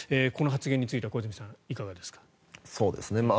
この発言については小泉さん、いかがですか。